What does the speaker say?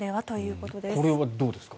これはどうですか？